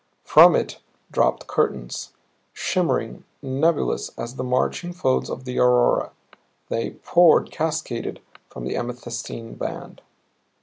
From it dropped curtains, shimmering, nebulous as the marching folds of the aurora; they poured, cascaded, from the amethystine band.